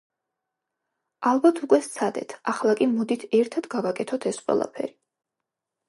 ალბათ უკვე სცადეთ, ახლა კი მოდით ერთად გავაკეთოთ ეს ყველაფერი.